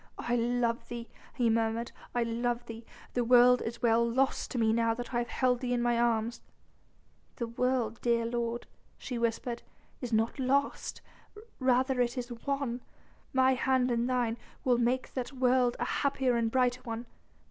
"I love thee," he murmured, "I love thee. The world is well lost to me now that I have held thee in mine arms." "The world, dear lord," she whispered, "is not lost, rather is it won. My hand in thine, we'll make that world a happier and brighter one.